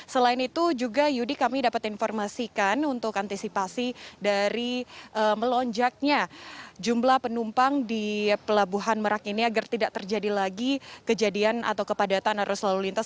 selain itu juga yudi kami dapat informasikan untuk antisipasi dari melonjaknya jumlah penumpang di pelabuhan merak ini agar tidak terjadi lagi kejadian atau kepadatan arus lalu lintas